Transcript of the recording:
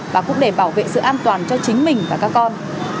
và cũng để bảo vệ sự an toàn cho chính mình và các con